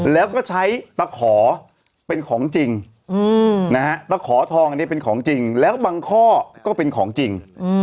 แล้วก็ใช้ตะขอเป็นของจริงนะฮะตะขอทองอันนี้เป็นของจริงแล้วก็บางข้อก็เป็นของจริง